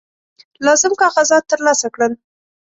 لازم کاغذات ترلاسه کړل.